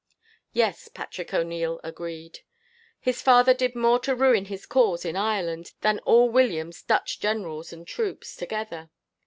"Yes," Patrick O'Neil agreed. "His father did more to ruin his cause, in Ireland, than all William's Dutch generals and troops, together.